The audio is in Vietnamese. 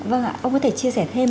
vâng ạ ông có thể chia sẻ thêm